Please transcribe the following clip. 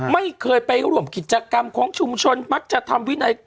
ไม่เคยไปร่วมกิจกรรมของชุมชนมักจะทำวินัย